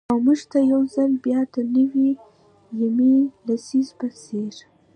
او مـوږ تـه يـو ځـل بـيا د نـوي يمـې لسـيزې پـه څـېر.